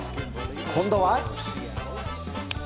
今度は。